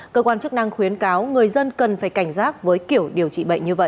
cơ quan chức năng khuyến cáo người dân cần phải cảnh giác với kiểu điều trị bệnh như vậy